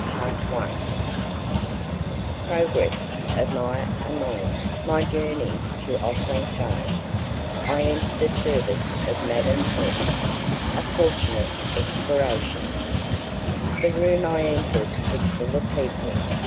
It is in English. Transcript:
CHAPTER XV Progress of My Amour My Journey to Otranto I Enter the Service of Madame F. A Fortunate Excoriation The room I entered was full of people.